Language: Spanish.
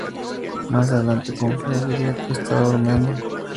Más adelante Knopfler diría que estaba bromeando.